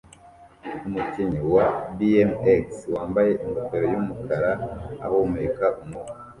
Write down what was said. Umukinnyi wa BMX wambaye ingofero yumukara ahumeka umwuka